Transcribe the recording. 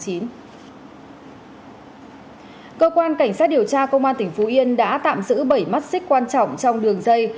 cơ quan cảnh sát điều tra công an tỉnh phú yên đã tạm giữ bảy mắt xích quan trọng trong đường dây